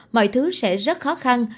mọi thứ sẽ rất khó khăn